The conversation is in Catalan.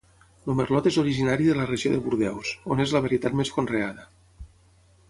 El merlot és originari de la regió de Bordeus, on és la varietat més conreada.